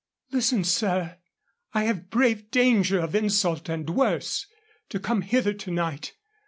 "Listen, sir. I have braved danger of insult, and worse, to come hither to night.